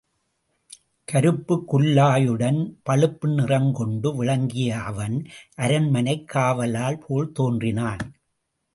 கருப்புக் குல்லாயுடன் பழுப்பு நிறங்கொண்டு விளங்கிய அவன், அரண்மனைக் காவலாள் போல் தோன்றினான்.